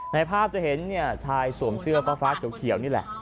ในภาพจะเห็นชายสวมเสื้อฟ้าเขียวนี่แหละ